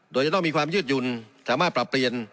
โดยจะต้องมีความยืดหยุ่นสามารถปรับเปลี่ยน